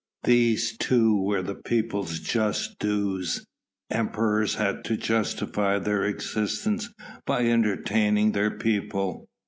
These too were the people's just dues: emperors had to justify their existence by entertaining their people.